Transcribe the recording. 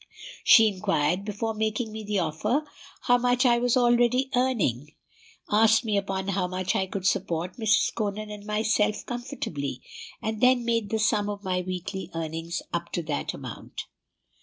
She inquired, before making me the offer, how much I was already earning, asked me upon how much I could support Mrs. Conan and myself comfortably, and then made the sum of my weekly earnings up to that amount.